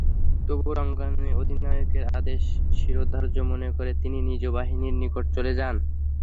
তবুও রণাঙ্গনে অধিনায়কের আদেশ শিরোধার্য মনে করে তিনি নিজ বাহিনীর নিকট চলে যান।